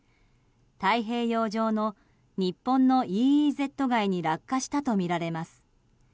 太平洋上の日本のＥＥＺ外に落下したとみられます。